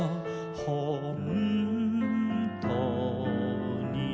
「ほんとうに」